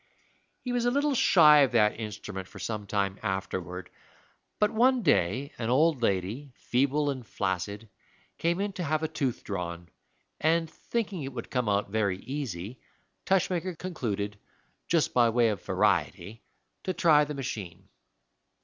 He was a little shy of that instrument for some time afterward; but one day an old lady, feeble and flaccid, came in to have a tooth drawn, and thinking it would come out very easy, Tushmaker concluded, just by way of variety, to try the machine.